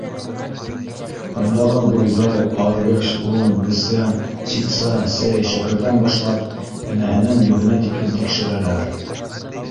Ундағы бойҙай, арыш, он, бесән, ситса, сәй, шәкәрҙән башлап энәһенән ебенә тиклем тикшерәләр.